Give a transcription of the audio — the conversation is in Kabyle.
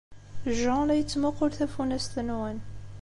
Jean la yettmuqqul tafunast-nwen.